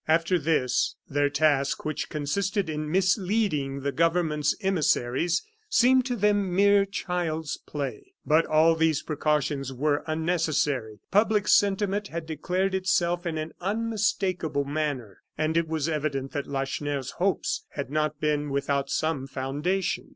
After this, their task, which consisted in misleading the government emissaries, seemed to them mere child's play. But all these precautions were unnecessary. Public sentiment had declared itself in an unmistakable manner, and it was evident that Lacheneur's hopes had not been without some foundation.